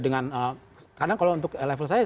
dengan karena kalau untuk level saya